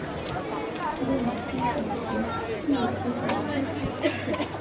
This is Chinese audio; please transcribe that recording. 耶尔朱哲和迈尔朱哲出世。